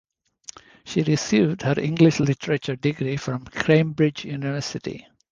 She received her English Literature degree from Cambridge University.